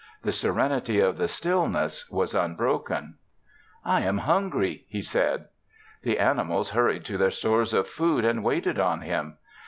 The serenity of the stillness was unbroken. "I am hungry," he said. The animals hurried to their stores of food and waited on him.